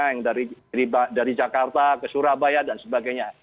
yang dari jakarta ke surabaya dan sebagainya